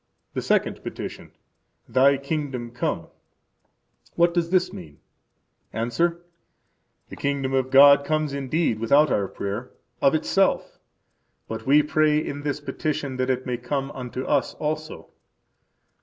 The Second Petition. Thy kingdom come. What does this mean? –Answer: The kingdom of God comes indeed without our prayer, of itself; but we pray in this petition that it may come unto us also.